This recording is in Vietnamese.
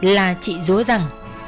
là chị rúa rằng